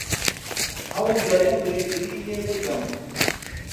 هەوڵ دەدەم ڕێگری لێ بکەم.